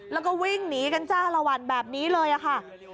แล้วก็วิ่งหนีกันจ้าละวันแบบนี้เลยค่ะ